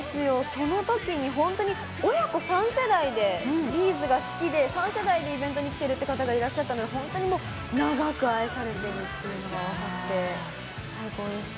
そのときに本当に、親子３世代でＢ’ｚが好きで、３世代でイベントに来ているって方がいらっしゃったので、本当にもう長く愛されてるっていうのが分かって、最高でした。